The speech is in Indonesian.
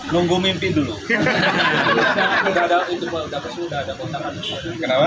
nunggu mimpi dulu